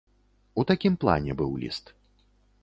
У такім плане быў ліст.